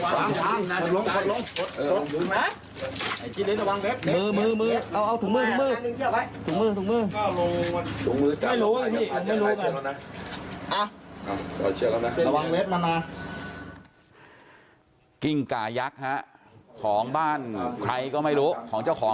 บ่อยได้มือเราจับมือว่าตอนนั้นอยู่กับแพงโน้น